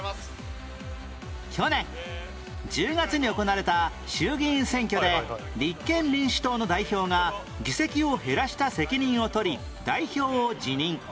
去年１０月に行われた衆議院選挙で立憲民主党の代表が議席を減らした責任を取り代表を辞任